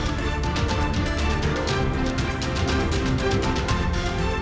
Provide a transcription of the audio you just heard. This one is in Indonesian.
pilihkada jawa barat